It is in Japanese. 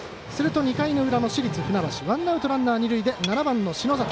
２回の裏、市立船橋ワンアウト、ランナー、二塁で７番の篠崎。